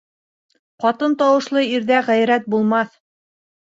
Ҡатын тауышлы ирҙә ғәйрәт булмаҫ.